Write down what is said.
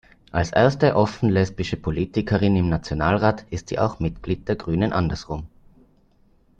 Als erste offen lesbische Politikerin im Nationalrat ist sie auch Mitglied der Grünen Andersrum.